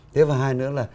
thế và hai nữa là